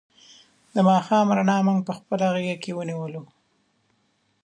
د ماښام رڼا مونږ په خپله غېږ کې ونیولو.